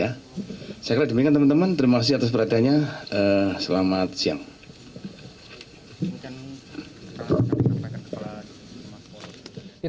ya saya kembingkan teman teman terima kasih atas perhatiannya selamat siang mungkin akan